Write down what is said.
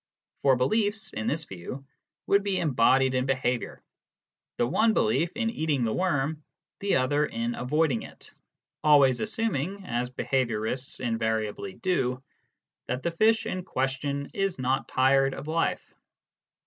For beliefs (in this view) would be embodied in behaviour : the one belief, in eating the worm ; the other, in avoiding it always assuming (as behaviourists invariably do) that the fish in question is not tired of life.